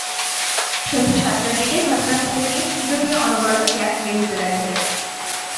সন্ধ্যা সাতটার দিকে ঘটনাস্থলে গিয়ে ছিদ্র দিয়ে অনবরত গ্যাস বের হতে দেখা যায়।